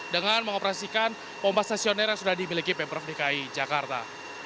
dengan mengoperasikan pompa stasioner yang sudah dimiliki pemprov dki jakarta